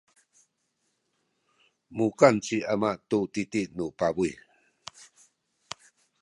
mukan ci ama tu titi nu pabuy.